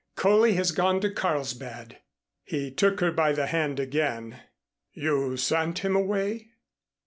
Coley has gone to Carlsbad." He took her by the hand again. "You sent him away?"